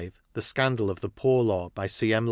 The Scandal of the Poor Law. By C. M.